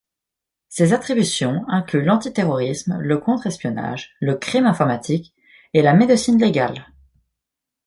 Ses attributions incluent l'antiterrorisme, le contre-espionnage, le crime informatique et la médecine légale.